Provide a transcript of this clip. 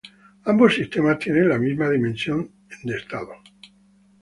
Ambos sistemas tienen la misma dimensión estado.